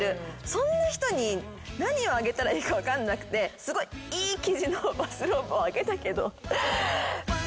そんな人に何をあげたらいいか分かんなくてすごいいい生地のバスローブをあげたけど。